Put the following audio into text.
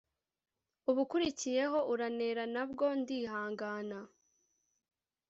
ubukurikiyeho uranera nabwo ndihangana